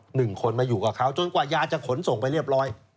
หนึ่งคนมาอยู่กับเขาจนกว่ายาจะขนส่งไปเรียบร้อย